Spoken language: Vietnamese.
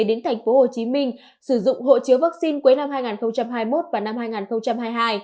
đến tp hcm sử dụng hộ chiếu vaccine cuối năm hai nghìn hai mươi một và năm hai nghìn hai mươi hai